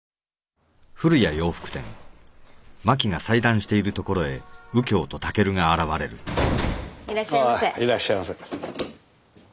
ああいらっしゃいませ。